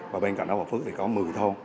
và bên cạnh đó bvx thì có một mươi thôn